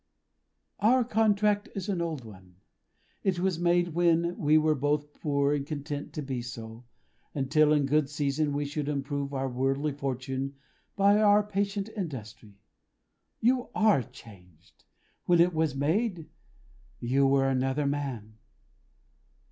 "Our contract is an old one. It was made when we were both poor and content to be so, until, in good season, we could improve our worldly fortune by our patient industry. You are changed. When it was made, you were another man."